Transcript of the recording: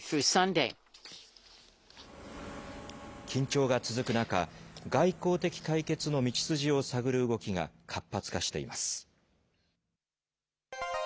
緊張が続く中、外交的解決の道筋を探る動きが活発化しています。